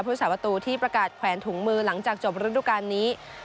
สาประตูที่ประกาศแขวนถุงมือหลังจากจบฤดูการนี้